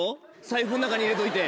財布の中に入れといて。